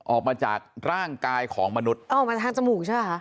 ออกมาจากร่างกายของมนุษย์ออกมาทางจมูกใช่ป่ะคะ